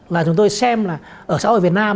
là chúng tôi xem là ở xã hội việt nam